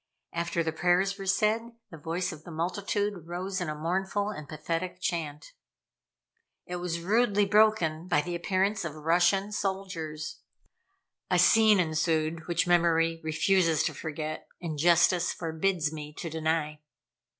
After the prayers were said, the voice of the multitude rose in a mournful and pathetic chant. It was rudely broken by the appearance of the Russian soldiers. A scene ensued which memory refuses to forget, and justice forbids me to deny.